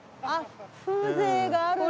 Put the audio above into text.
風情があるな。